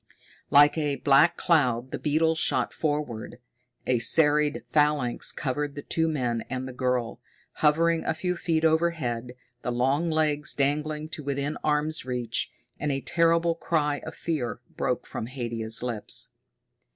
Like a black cloud the beetles shot forward. A serried phalanx covered the two men and the girl, hovering a few feet overhead, the long legs dangling to within arm's reach. And a terrible cry of fear broke from Haidia's lips.